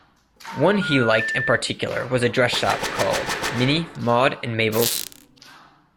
One he liked in particular was a dress shop called "Minnie, Maude and Mabel's".